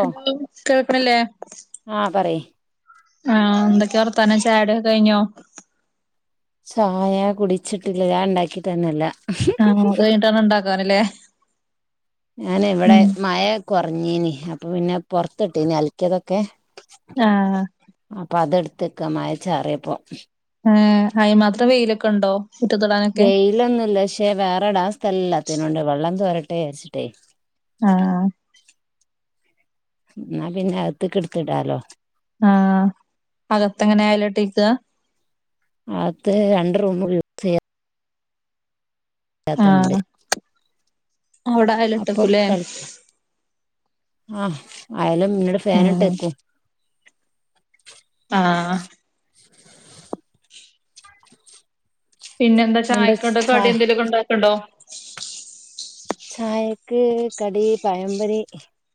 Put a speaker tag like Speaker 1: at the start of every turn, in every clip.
Speaker 1: Hello കേൾക്കണില്ലേ?
Speaker 2: ആഹ് പറയ്
Speaker 1: ആഹ് എന്തൊക്കെയ വർത്താനം ചായൂടിയോക്കെ കഴിഞ്ഞോ?
Speaker 2: ചായ കുടിച്ചിട്ടില്ല ഞാൻ ഉണ്ടാക്കിട്ടന്നില്ല.
Speaker 1: ആഹ് അത് കഴിട്ടാണ് ഉണ്ടാക്കാനല്ലേ?
Speaker 2: ഞാന് ഇവിടെ
Speaker 1: ഉം
Speaker 2: മഴ കുറഞ്ഞീനി അപ്പൊ പിന്നെ പൊറത്തിട്ടീനി അലക്കിയതൊക്കെ
Speaker 1: ആഹ്
Speaker 2: അപ്പൊ അതെടുത്തക്ക മയ ചാറിയപ്പോ.
Speaker 1: ആഹ് അയി മാത്രം വെയിലൊക്കെ ഉണ്ടോ? [inaudible]
Speaker 2: വെയിലൊന്നുമില്ല പക്ഷേ വേറെടാൻ സ്ഥലംല്ലാത്തനോണ്ട് വെള്ളം തോരട്ടെ വെച്ചിട്ടേ
Speaker 1: ആഹ്
Speaker 2: എന്നാ പിന്നെ അകത്തിക്കെടുത്തിടാലോ.
Speaker 1: ആഹ് അകത്തെങ്ങനെ അയേലിട്ടേക്ക?
Speaker 2: അകത്ത് രണ്ട് റൂമ പറ്റാത്തണ്ട്
Speaker 1: ആഹ് അവിടെ
Speaker 2: അപ്പം
Speaker 1: അയലിട്ടേക്കൂല്ലേ
Speaker 2: തളിക്ക ആഹ് ആയാലും ഇന്നീട്
Speaker 1: ഉം
Speaker 2: ഫാനിട്ടേക്കും
Speaker 1: ആഹ്
Speaker 2: [inaudible]
Speaker 1: പിന്നെ എന്താ ചായക്കൊട് കടി എന്തെലൊക്കെ ഉണ്ടാക്കണ്ടോ?
Speaker 2: ചായക്ക് കടി പയംപൊരി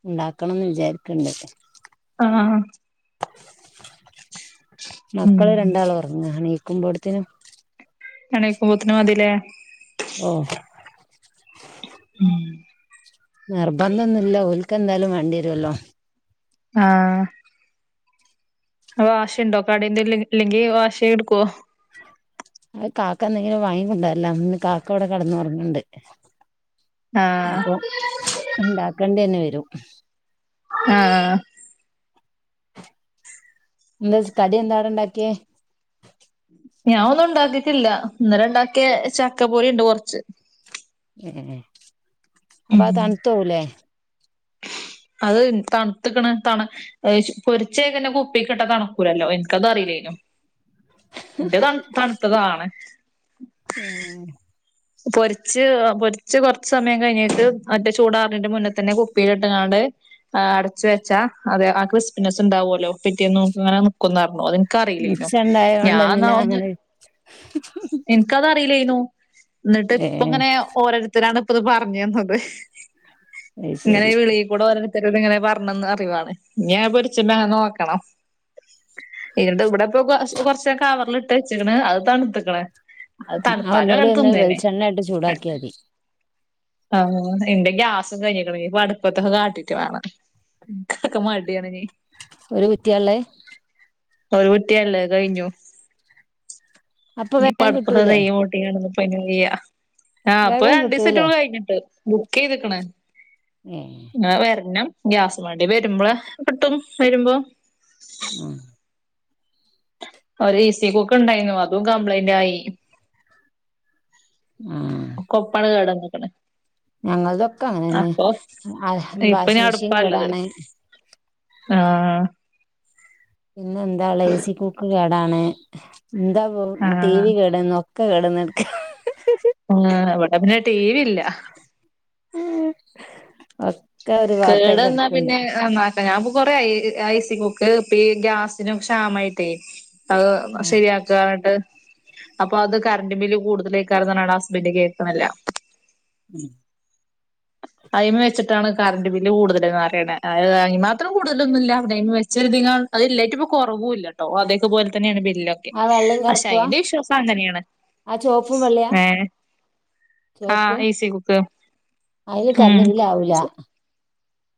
Speaker 2: ഉണ്ടാക്കണംന്ന് വിചാരിക്ക്ണ്ട്
Speaker 1: ആഹ് ഉം
Speaker 2: മക്കള് രണ്ടാള് ഉറങ്ങുക നീക്കുമ്പോഴത്തേനും
Speaker 1: എണീക്കുമ്പോത്തിന് മതില്ലേ?
Speaker 2: ഓഹ്
Speaker 1: ഉം
Speaker 2: നിർബന്ധം ഒന്നുല്ല ഓൽക്ക് എന്തായാലും വേണ്ട്യേരൊല്ലോ.
Speaker 1: ആഹ്. വാശിണ്ടോ? കടി എന്തെലും ഇല്ലെങ്കി വാശി ഇട്ക്കോ?
Speaker 2: അഹ് കാക്ക എന്തെങ്കിലും വാങ്ങി കൊണ്ടര്ലാ. ഇന്ന് കാക്ക ഇവടെ കെടന്നൊർങ്ണ്ട്.
Speaker 1: ആഹ്
Speaker 2: അപ്പം ഉണ്ടാക്കണ്ടിയന്നെ വരും.
Speaker 1: ആഹ്.
Speaker 2: എന്താ സ് കടി എന്താ അടെ ഉണ്ടാക്കിയേ?
Speaker 1: ഞാൻ ഒന്നും ഉണ്ടാക്കിട്ടില്ല. ഇന്നലെ ഇണ്ടാക്ക്യെ ചക്കപൊലി ണ്ട് കൊറച്ച്.
Speaker 2: ഏഹ്. അപ്പത് തണുത്തോവുലേ?
Speaker 1: അത് തണ്ത്ത്ക്ണ്. തണ് അയ്ശ് പൊരിച്ചേക്കന്നെ കുപ്പിക്ക്ട്ടാ തണുക്കൂല്ലല്ലോ ഇൻക്കത് അറീല്ലേനു.
Speaker 2: ഉ
Speaker 1: ഇൻ്റത് തൺ തണ്ത്തതാണ്.
Speaker 2: ഏഹ്
Speaker 1: പൊരിച്ച് പൊരിച്ച് കൊറച്ച് സമയം കഴിഞ്ഞിട്ട് മറ്റേ ചൂടാർണീന്റെ മുന്നെ തന്നെ കുപ്പീല് ഇട്ട്കാണ്ട് ആഹ് അടച്ച് വെച്ചാ, അതെ ക്രിസ്പിനെസ് ഉണ്ടാവോല്ലോ പിറ്റേന്നു ക്ക് ങ്ങനെ നിക്കുംന്നർണു. അതിൻ ക്കറീലേനു.
Speaker 2: മിച്ചണ്ടായോണ്ട്
Speaker 1: ഞാൻ ന്നാ
Speaker 2: എന്തിനാ
Speaker 1: ഒന്ന്
Speaker 2: അങ്ങനെ
Speaker 1: ഇൻക്കത് അറീല്ലേന്നു. ഇന്നട്ട്
Speaker 2: ഏ
Speaker 1: ഇപ്പ ഇങ്ങനെ ഓരോരുത്തരാണ് ഇപ്പത് പർഞ്ഞ് തന്നത്.
Speaker 2: അത്
Speaker 1: ഇങ്ങനെ
Speaker 2: ശരി
Speaker 1: ഈ വിളി ക്കൂടെ ഓരോര്ത്തരോട് ഇങ്ങനെ പറഞ്ഞന്ന അറിവാണ്. ഇഞ് അത് പൊരിച്ചുണ്ടത് നോക്കണം. ഇവര്ടെ കൂടെ ഇപ്പൊ കൊ കൊർച്ച് കവറില്ട്ട് വെച്ച്ക് ണ്. അത് തണ്ത്ത്ക്ണ് അത്
Speaker 2: ആ
Speaker 1: തണുത്താലും അ
Speaker 2: ഒന്നൂടി ഒന്ന്
Speaker 1: തിന്നന്നെ.
Speaker 2: വെളിച്ചെണ്ണ ഇട്ട് ചൂടാക്കിയാ
Speaker 1: അഅന്നെ.
Speaker 2: മതി
Speaker 1: ആഹ് ഇൻ്റെ ഗ്യാസ് സും കഴിഞ്ഞിക്ണ്. ഇഞ് പടുപ്പത്തൊക്കെ കാട്ടീട്ട് വാണം. ഇൻക്ക ഒക്കെ മട്യാണ് ന്
Speaker 2: ഒരു കുറ്റിയാള്ളത്?
Speaker 1: ഒരു കുറ്റിയാല്ലത് അഹ്കഴിഞ്ഞു.
Speaker 2: അപ്പൊ
Speaker 1: ഇഞ്
Speaker 2: വേഗം
Speaker 1: ഇപ്പട്പ്പത്ത്
Speaker 2: കിട്ടൂലേ
Speaker 1: തീയ് മുട്ടിക്കാണ്ടൊന്നും പ്പയ്ന് വയ്യ. ആഹ് ഇപ്പൊ
Speaker 2: വേഗം കിട്ടൂലേ
Speaker 1: രണ്ടീസായ്റ്റൊള്ളു കഴിഞ്ഞിട്ട്. ബുക്കെയ്ത്ക്ണ്.
Speaker 2: ങേഹ്
Speaker 1: അഹ് വെര്നം. ഗ്യാസ് വണ്ടി വരുമ്പ്ള് കിട്ടും വരുമ്പം.
Speaker 2: ങും.
Speaker 1: ഒര് ഈസി കുക്ക് ഇണ്ടായീന്നു. അതും കംപ്ലൈന്റ് ആയി.
Speaker 2: ആഹ്.
Speaker 1: ഒക്കൊപ്പാണ് കേടന്ന്ക്ണ്.
Speaker 2: ഞങ്ങൾതൊക്കെ അങ്ങനെന്നെ. അൽഹം
Speaker 1: ഇപ്പൊ ഞാൻ
Speaker 2: വാഷിംഗ് മെഷീൻ
Speaker 1: അടുപ്പാള്ളത്.
Speaker 2: കേടാണ്.
Speaker 1: ആഹ്
Speaker 2: പിന്നെ എന്താ ഇള്ളെ എസി കുക്ക് കേടാണ്. എന്താ പ്പം ടി
Speaker 1: ആഹ്
Speaker 2: വി കേടന്ന്. ഒ ക്കെ കേടന്ന് കട്ക്കാ.
Speaker 1: ആഹ് വടെ പിന്നെ ടി വി ഇല്ല.
Speaker 2: ഉ അ
Speaker 1: കേടന്നാ പിന്നെ നന്നാ ഞാൻ ഇപ്പൊ കൊറേ ആയി ആ ഈസി കുക്ക് ഇപ്പീ ഗ്യാസിനും ക്ഷാമായിട്ടെ. അത് ശരിയാക്കാ ന്നട്ട് അപ്പൊ അത് കറണ്ട് ബില്ല് കൂടുതലേക്കാരം എന്നർഞ്ഞാണ്ട് ഹസ്ബന്ഡ് കേക്ണില്ല.
Speaker 2: ഉം
Speaker 1: അയ്മ വെച്ചിട്ടാണ് കറണ്ട് ബില്ല് കൂടുതല്ന്നാ റിണ്. അത് അയ്മാത്രം കൂടുതലൊന്നും ഇല്ല. പിന്നെയ്മെ വെച്ചൊര്തിനാൾ അത് ഇല്ലായ്ട്ട് ഇപ്പൊ കൊറവൂ ഇല്ലട്ടോ. അതേക്കെ പോൽ തന്നേണ് ബില്ലൊ ക്കെ.
Speaker 2: ആ വെള്ളയും
Speaker 1: പഷേ
Speaker 2: കറുപ്പുവാ
Speaker 1: അയ്ന്റെ വിശ്വാസം അങ്ങനേണ്.
Speaker 2: ആ ചോപ്പും വെള്ളയാ
Speaker 1: ഏഹ്
Speaker 2: ചോപ്പ്
Speaker 1: ആഹ് ഈസി കുക്ക്.
Speaker 2: അതില്
Speaker 1: ഹും
Speaker 2: കറണ്ട് ബില്ല് ആവൂല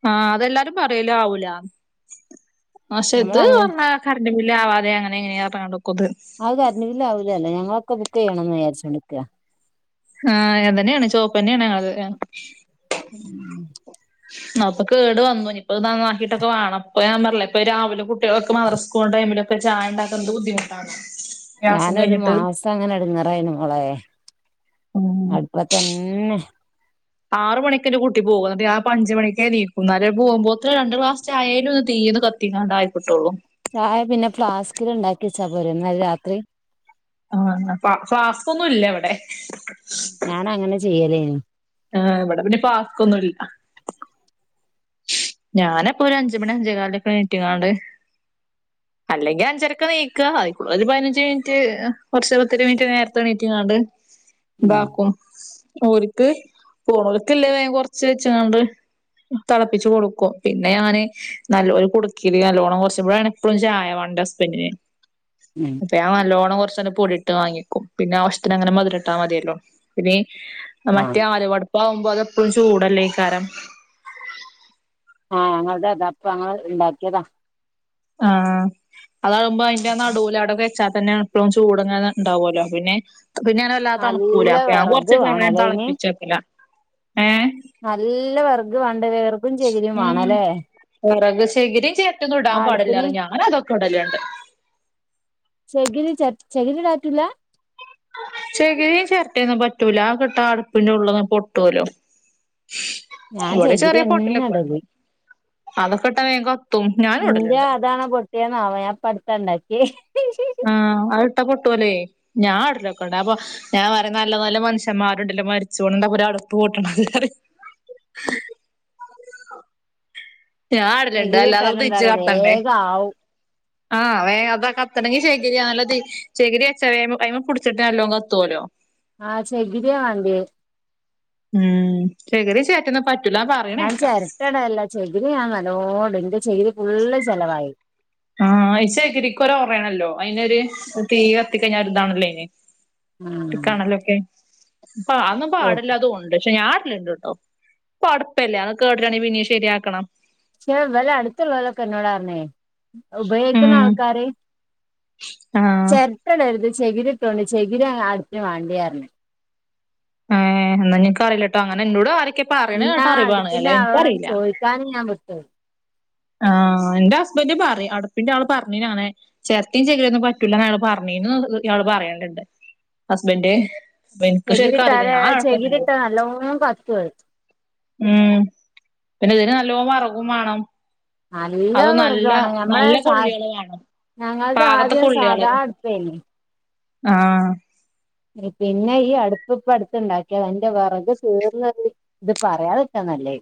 Speaker 1: ആഹ് അതെല്ലാരും പറയുലേ ആവൂലാന്ന് പക്ഷെ
Speaker 2: ഞമ്മള
Speaker 1: ഇത്
Speaker 2: അങ്ങനെ
Speaker 1: മേ കറന്റ് ബില്ല് ആവാതെ അങ്ങനെ എങ്ങനെയാ. [unintelligible]
Speaker 2: അത് കറന്റ് ബില്ല് ആവൂല്ലല്ലേ ഞങ്ങള് ഒക്കെ ബുക്ക് ചെയ്യണോന്ന് വിചാരിച്ചോട്ട് നിക്കുവാ.
Speaker 1: ആഹ് അ തന്നെയാണ് ചുവപ്പ തന്നെയാണ് ആള്.
Speaker 2: ഉം.
Speaker 1: ന്നപ്പൊ കേട് വന്നു ഇപ്പൊ നന്നാക്കിട്ടൊക്കെ വേണം. ഞാൻ പറഞ്ഞില്ലേ ഇപ്പൊ രാവിലെ കുട്ടികൾക്ക് ഒക്കെ മദ്സ്രക്ക് പോണ ടൈമിലൊക്കെ ചായ ഉണ്ടാക്കാൻ എന്തു ബുദ്ധിമുട്ടാന്നോ?
Speaker 2: ഞാനൊരു മാസം അങ്ങനെ എടങ്ങേ റായിന്നു മോളെ
Speaker 1: ഉം
Speaker 2: അടുപ്പത്ത് തന്നെ.
Speaker 1: ആറു മണിക്കെന്റെ കുട്ടി പോകും എന്നിട്ട് ഞാന് ഇപ്പം അഞ്ച് മണിക്ക് എനീക്കും എന്നാലേ പോകുമ്പോത്തേന് രണ്ട് ക്ലാസ്സ് ചായേലും ഈ തീയിന്ന് കത്തി ത്തിങ്ങാട്ട് ആയി കിട്ടുവൊള്ളൂ.
Speaker 2: ചായ പിന്നെ ഫ്ലാസ്കിൽ ഉണ്ടാക്കി വച്ചാ പോരേ, എന്നാല് രാത്രി.
Speaker 1: ആഹ് ആഹ് ഫ്ളാസ്ക്കൊന്നും ഇല്ല ഇവിടെ.
Speaker 2: ഞാൻ അങ്ങനെ ചെയ്യലേനി.
Speaker 1: ആഹ് ഇവിടെ പിന്നെ ഫ്ളാസ്ക്കൊന്നും ഇല്ല. ഞാന യൊപ്പൊ ഒരു അഞ്ച് മണി അഞ്ചേ കാലിനൊക്കെ എണിറ്റ്ങ്ങാണ്ട്. അല്ലെങ്കിൽ അഞ്ച അരക്കാ നീക്കുക ഒരു പതിനഞ്ച് മിനിറ്റ് കുറച്ച് ഒരു പത്തിരുപത് മിനിറ്റ് നേരത്തെഎണീറ്റങ്ങാണ്ട്.
Speaker 2: ഉം
Speaker 1: ഇതാക്കും. ഓരുക്ക് ഒരുക്കുള്ളത് കൊറച്ച് വെച്ചുങ്ങാണ്ട് തിളപ്പിച്ച് കൊടുക്കും. പിന്നെ ഞാന് നല്ലൊരു കുടുക്കേല് നല്ലോണം കുറച്ച് ഇവിടെ എപ്പോഴും ചായ വേണം എന്റെ ഹസ്ബൻഡിന്.
Speaker 2: ഉം.
Speaker 1: അപ്പേ ഞാൻ നല്ലോണം കുറച്ച് അങ്ങ് പൊടിയിട്ട് വാങ്ങി വെക്കും പിന്നെ ആവശ്യത്തിന് അങ്ങനെ മധുരം ഇട്ടാ മതിയല്ലോ പിന്നെ ഈ
Speaker 2: ആഹ്
Speaker 1: മറ്റേ ആലുവ അടുപ്പ് ആകുമ്പോ അതെപ്പോഴും ചൂടല്ലേ അയ്കാരം.
Speaker 2: ആഹ് ഞങ്ങളുടെ അതാ ഇപ്പ ഞങ്ങള് ഉണ്ടാക്കിയതാ.
Speaker 1: ആഹ്. അതാകുമ്പോ അതിന്റെ നെടുവില് അവിടെ വച്ചാൽ തന്നെ എപ്പോഴും ചൂടങ്ങെ ഉണ്ടാവുമല്ലോ പിന്നെ പിന്നെ ഞാന് വല്ലാതെ തണുക്കൂലാ
Speaker 2: നല്ല
Speaker 1: അപ്പ ഞാൻ
Speaker 2: വെറക്
Speaker 1: കൊറച്ച് ചായ
Speaker 2: വേണല്ലേ അയിന്
Speaker 1: തിളപ്പിച്ച് വയ്ക്കലാ ഏഹ്.
Speaker 2: നല്ല വെറഗ് വേണ്ടേ വെർഗ്
Speaker 1: ഉം വിറക് ചകിരിയും ചിരട്ടയൊന്നും ഇടാൻ
Speaker 2: ആ
Speaker 1: പാടില്ല
Speaker 2: അടുപ്പിന്
Speaker 1: പറയും ഞാൻ അതൊക്കെ ഇടലുണ്ട്.
Speaker 2: ചെകിര ചെരട്ട ചെകിരി ഇടാൻ പറ്റൂല്ലാ.
Speaker 1: ചെകിരി, ചിരട്ടൊന്നും പറ്റൂല അത് ഒക്കെയിട്ട അടുപ്പിന്റെ ഉള്ളും പൊട്ടുല്ലോ.
Speaker 2: ഞാൻ
Speaker 1: ഇവിടെ
Speaker 2: ചകിരി
Speaker 1: ചെറിയ
Speaker 2: തന്നെ
Speaker 1: പോട്ടലൊക്കെ ഉണ്ട്.
Speaker 2: ഇടല്
Speaker 1: അതൊക്കെ ഇട്ടാ വേഗം കത്തും ഞാനും ഇടലുണ്ട്.
Speaker 2: എന്തായിനോ ആവോ ഞാനിപ്പം അടുത്താ ഉണ്ടാക്കിയെ.
Speaker 1: ആഹ് അയ് ഇട്ട പൊട്ടുല്ലേ ഞാൻ ഇടലൊക്കെ ഉണ്ട് അപ്പൊ ഞാൻ പറയാ നല്ല നല്ല മനുഷന്മാരുണ്ടല്ലോ മരിച്ച് പോണത് എന്നിട്ടല്ലേ ഒര് അടുപ്പ് പൊട്ടണത്. ഉ ഞാൻ ഇടലുണ്ട്
Speaker 2: ചകിരി
Speaker 1: അല്ലാതെ ഇത്
Speaker 2: ഇട്ടാല് എന്താ
Speaker 1: തീഞ്ച്
Speaker 2: പറയാ
Speaker 1: കത്തണ്ടേ.
Speaker 2: വേഗം ആവും
Speaker 1: ആഹ് വേ അതാ കത്തണെങ്കിൽ ചകിരിയാ നല്ലത് ചകിരി വച്ചാ അതു മേ പിടിച്ചിട്ട് നല്ലോ കത്തുല്ലോ.
Speaker 2: ആഹ് ചികിരിയാ വേണ്ടേയേ.
Speaker 1: ഉം ചെകിരിയും, ചിരട്ടയൊന്നും പറ്റു
Speaker 2: ഞാൻ ചിരട്ടയിടലില്ല ചെകിരി ഞാൻ നല്ലോണം ഇടും എന്റെ ചകിരി ഫുള്ള് ചെലവായി.
Speaker 1: ആഹ് ചകിരിക്ക് ഒരു ഒറയണല്ലോ അയിനൊരു തീ കത്തിക്കഴിഞ്ഞ ഒരു ഇതാണല്ലോ അയിന്.
Speaker 2: ആഹ്
Speaker 1: കണല്ലോക്കെ അപ്പ അതൊന്നും
Speaker 2: പക്ഷെ
Speaker 1: പാടില്ല തോന്നുണ്ട് പക്ഷെ ഞാന് ഇടലുണ്ട്. ഓ, പടപ്പെല്ല, അത് കേട്ടണെ, പിന്നേം, ശരിയാക്കണം
Speaker 2: ക്ഷേ വെല് അടുത്തുള്ളോലൊക്ക എന്നോടാർന്നേ ഉപയോഗിക്കുന്ന
Speaker 1: ഉം
Speaker 2: ആൾക്കാര്
Speaker 1: ആഹ്
Speaker 2: ചെരട്ട എടേരുത് ചെവീര ഇട്ടോണ്ട് ചെവിര ആ അടുപ്പിന് വാണ്ടിയാർന്ന്
Speaker 1: ഏഹ് എന്നാനിക്കറിയില്ലേട്ടാ അങ്ങനെ എന്നോട് ആരക്കെ പറയണ
Speaker 2: പിന്നെ
Speaker 1: കേട്ടറിവാണ്
Speaker 2: അടുപ്പിന്റെ
Speaker 1: അല്ലേ
Speaker 2: ആളോടൊന്ന്
Speaker 1: എനിക്കറിയില്ല
Speaker 2: [unintelligible]
Speaker 1: ആ എന്റ ഹസ്ബൻഡ് പറയും അടുപ്പിന്റാള് പറഞ്ഞിനാങണെ ചെരട്ടിം ചെക്കിരേന്നും പറ്റൂലാന്ന് യാള് പറഞ്ഞീന്ന് ഇയാള് പറയലിണ്ട്. ഹസ്ബന്റെ
Speaker 2: ചെകിരിട്ടാരാ ചെകിരിട്ടാ നല്ലോണം കത്തുവത്
Speaker 1: ഉം പിന്നെ ഇതിന് നല്ലോം വറകും വാണം.
Speaker 2: നല്ല
Speaker 1: അതും നല്ല
Speaker 2: വെറകാണം ഞമ്മളെ
Speaker 1: നല്ല
Speaker 2: സാ
Speaker 1: കൊള്ളികള് വാണം
Speaker 2: ഞങ്ങൾത്
Speaker 1: പാകത്തെ
Speaker 2: ആദ്യം
Speaker 1: കൊള്ളികള്
Speaker 2: സാധാ അടുപ്പേന്.
Speaker 1: ആഹ്
Speaker 2: എ പിന്നെ ഈ അടുപ്പിപ്പ അടുത്ത് ഇണ്ടാക്കിയതാ എന്റ വെറക് തീർന്നത് ഇത് പറയാതെക്കാ നല്ലേ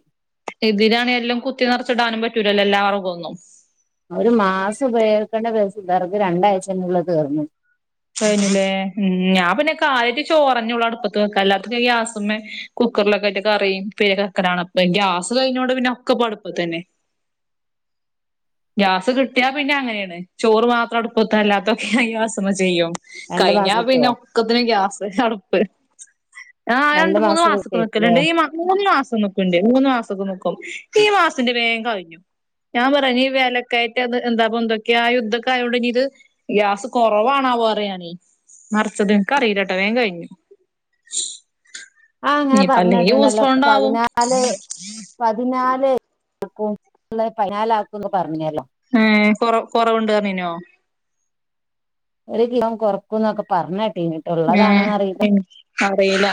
Speaker 1: എതിലണ് എല്ലാം കുത്തി നെറച്ചിടാനും പറ്റൂലല്ല എല്ലാവെറകും ഒന്നും.
Speaker 2: ഒരു മാസം ഉപയോകിക്കേണ്ട വെസ് വെറക് രണ്ടാഴ്‌ചേനുള്ളി തീർന്ന്
Speaker 1: കഴിഞ്ഞ്ലെ ഉം ഞാൻ പിന്നെ കാര്യായ്റ്റ് ചോറെന്നെ ഒള്ളു അടുപ്പെത്ത് വെക്കാ അല്ലാത്തെത് ഞാ ഗ്യാസ്മ്മേ കുക്കെർലൊക്കെ ആയിറ്റ് കറി [unintelligible] അപ്പെയ് ഗ്യാസ് കഴിഞ്ഞോണ്ട് പിന്നെ ഒക്കെ ഇപ്പം അട്പ്പത്തെന്നെ ഗ്യാസ് കിട്ടിയാ പിന്നെ അങ്ങനെയാണ് ചോറ് മാത്രം അട്പ്പെത്ത് അല്ലാത്തൊക്കെ ഗ്യാസ്മ്മെ വെ ചെയ്യും
Speaker 2: രണ്ട്
Speaker 1: കഴിഞ്ഞാ
Speaker 2: മാസം
Speaker 1: പിന്നെ
Speaker 2: കിട്ടുവോ
Speaker 1: ഒക്കത്തിനും ഗ്യാസ് അടുപ്പ് ആഹ് രണ്ട് മൂന്ന്
Speaker 2: മാസം
Speaker 1: മാസൊക്കെ നിക്കെൽ
Speaker 2: കിട്ടിയേക്കുല്ലേ
Speaker 1: ഇണ്ട് ഈ മാ മൂന്ന് മാസം നിക്കുണ്ട് മൂന്ന് മാസൊക്ക നിക്കും ഈ മാസന്റെ വേഗം കഴിഞ്ഞു ഞാൻ പറഞ്ഞ് വെലകയറ്റംന്ന് എന്താപ്പൊ എന്തൊക്കെയാ യുദ്ധക്ക ആയോണ്ടിനിയിത് ഗ്യാസ് കൊറവാ മാവോ അറിയാണീ നറച്ചത് എനക്ക് അറിയില്ലേട്ടോ വേഗം കഴിഞ്ഞു
Speaker 2: ആ അങ്ങനെ
Speaker 1: ഇനിയിപ്പോ അല്ലെങ്കി
Speaker 2: പറഞ്ഞിട്ടുണ്ടല്ലോ
Speaker 1: ഊസോണ്ടാവും
Speaker 2: പതിനാല് പതിനാല് ആക്കുംള്ള പതിനാലാക്കുംന്ന് പറഞ്ഞല്ലോ
Speaker 1: ഏഹ് കൊറ കൊറവുണ്ട്റിഞേനോ
Speaker 2: ഒരു കിലോം കൊറക്കുന്നൊക്ക പറഞ്ഞ കേട്ടീന്
Speaker 1: ങേ എ അറിയില്ല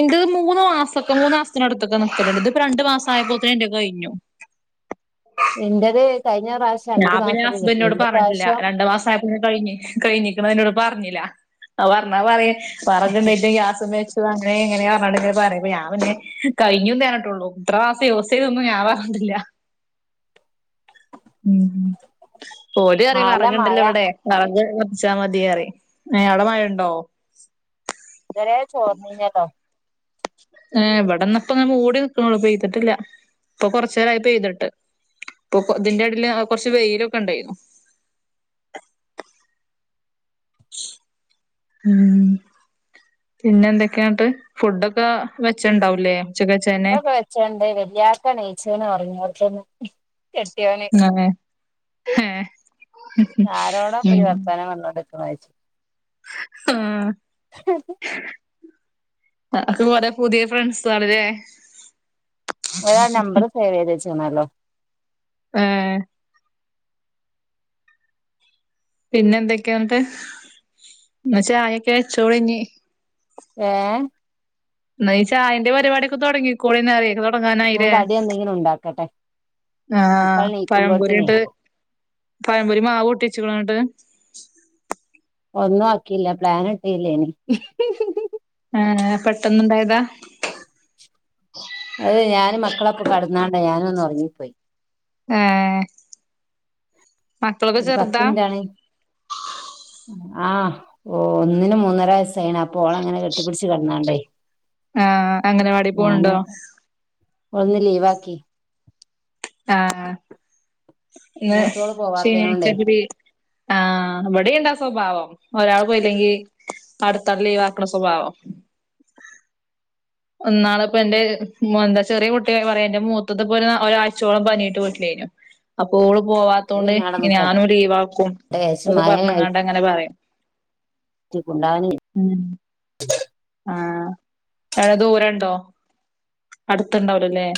Speaker 1: എന്റ് ‌ മൂന്ന് മാസക്ക മൂന്ന് മാസത്തിനടുത്തൊക്ക നിക്കലുണ്ട് ഇതിപ്പ രണ്ടു മാസം ആയപ്പോത്തേ എന്റെ കഴിഞ്ഞു
Speaker 2: എന്റത് കഴിഞ്ഞ പ്രാവ്‌ശം
Speaker 1: ഞാൻ പിന്നെ ഹസ്ബന്റിനോട് പറഞ്ഞിട്ടില്ല രണ്ടുമാസ ആയപ്പോ കഴിഞ്ഞ് കഴിഞ്ഞിക്കണ എന്നോട് പറഞ്ഞില്ല ആ പറഞ്ഞാ പറയും പറഞ്ഞണ്ട് ഗ്യാസുമ്മെ അങ്ങനെ ഇങ്ങനെയാ പറഞ്ഞോണ്ട് പറയും ഞാൻ പിന്നെ കൈഞ്ഞൂന്നെ അർഞുട്ടുള്ളൂ ത്ര മാസെ യൂസ് ചെയ്തൊന്നും ഞാ പർഞ്ട്ടില്ല - ഉം ഓല് അറിം
Speaker 2: നല്ല മഴ
Speaker 1: വറക്ണ്ടല്ലോ വടെ. വെറക് കത്തിച്ചാമതി അറിം ഏഹ് ഔടെ മയണ്ടോ?
Speaker 2: തെരേ ചോർന്നിഞ്ഞാട്ടോ.
Speaker 1: ഏഹ് വടെന്നപ്പൊങ്ങ് മൂടി നിക്കണുള്ളു പെയ്ത്ട്ടില്ല പ്പൊ കൊർച്ചേരായി പെയ്ത്ട്ട്. പ്പൊ കൊ ഇതിന്റെടെല് ആ കൊർച്ച് വെയിലൊക്ക ണ്ടായീന്നു. ശ് ഉം. പിന്ന ന്തൊക്കെ ന്നട്ട് ഫുഡൊക്ക വെച്ചുണ്ടാവൂലേ?
Speaker 2: ഡൊക്ക വെച്ചണ്ടേന് ല്യാക്കണീച്ച്ണ് ഒർങ്യോട്ത് ന്ന്. കെട്ട്യോന്
Speaker 1: ഏഹ്
Speaker 2: ഉ
Speaker 1: ഏഹ്
Speaker 2: ആരോടപ്പജ് വർത്താനം പർഞ്ഞോണ്ട് വായ്ച്ച്-
Speaker 1: ആഹ് അഹ് കൊറെ പുത്യേ ഫ്രണ്ട്സാള് ലേ?
Speaker 2: ഓലാ നമ്പറ് സേവെയ്ത് വെച്ചേണല്ലോ.
Speaker 1: ഏഹ്. പിന്നെന്തൊക്കെയാൻട്ട് ന്നാ ചായൊക്കെ വെച്ചോളി ഞ്ഞ്
Speaker 2: ഏഹ്
Speaker 1: ന്നയി ചായന്റെ പരിപാടിയൊക്കെ തൊട്ങ്ങിക്കൊളി ന്നാല്
Speaker 2: ഞാൻ
Speaker 1: വങ്ങാനായിലെ
Speaker 2: കടി എന്തെങ്കിലും ഉണ്ടാക്കട്ടെ
Speaker 1: ആഹ്
Speaker 2: മക്കൾ നീക്കുമ്പോഴത്തിനേ
Speaker 1: പഴമ്പൊരിണ്ട്. പാരമ്പൊരി മാവൂട്ട്യെച്ച്ക്ണ ന്നട്ട്
Speaker 2: ഒന്നുആക്കീല്ല പ്ലാനിട്ടീല്ലെനി
Speaker 1: ഏഹ് പെട്ടെന്ന്ണ്ടായതാ
Speaker 2: അത് ഞാന് മക്കളപ്പം കട്ന്നാണ്ട് ഞാനൊന്നൊർങ്ങിപ്പോയ്
Speaker 1: ഏഹ് മക്കളൊക്കെ
Speaker 2: ഒരു പത്ത്
Speaker 1: ചെർതാ
Speaker 2: മിനിറ്റാണെ ആഹ് ഒന്നിന് മൂന്നര വയസ്സായീണ് അപ്പൊ ഓളങ്ങനെ കെട്ടിപ്പിട്ച്ച് കെട്ന്നാണ്ടെ
Speaker 1: ആ അങ്ങനവാടി പോണ് ണ്ടോ
Speaker 2: ഓൾന്ന് ലീവാക്കി
Speaker 1: ആഹ് ന്ന്
Speaker 2: മൂത്തോള് പോവാത്തേനോണ്ടേ
Speaker 1: ശനിയായ്ചക് ലീ ആഹ് ഇവടീണ്ടാ സ്വഭാവം ഒരാള് പോയില്ലങ്കി അട്ത്താൾ ലീവാക്ക്ണ സ്വഭാവം ന്നാള്പ്പെന്റെ മൊ ചെറിയ കുട്ടി പറയാ ന്റെ മൂത്തത്പ്പൊര് ഒരാഴ്ചോളം പനിയായ്ട്ട് വീട്ടിലെയ്‌നി അപ്പോ ഓള്
Speaker 2: ഓള്
Speaker 1: പോവാത്തോണ്ട്
Speaker 2: പിന്നെ ആടെ നിക്കട്ടെ
Speaker 1: ഞാനും ലീവാക്കും
Speaker 2: വിചാരിച്ച്
Speaker 1: [unintelligible]
Speaker 2: മഴ
Speaker 1: പർഞ്ഞ്കാണ്ടങ്ങനെ പറിം
Speaker 2: ച് [unintelligible]
Speaker 1: ഉം ആ ടെ ദൂരണ്ടോ അട്ത്ത്ണ്ടാവൂല ലെ.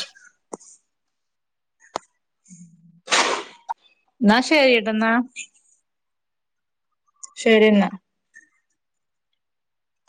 Speaker 1: ന്നാ ശരീട്ടൊ ന്നാ ശരിന്ന